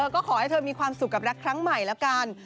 ก็ขอให้เธอมีความสุขกับรักครั้งใหม่แล้วกัน